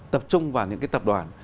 tập trung vào những cái tập đoàn